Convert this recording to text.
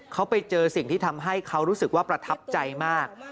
เขาไปเจอสิ่งที่ทำให้เขารู้สึกว่าประทับใจมาก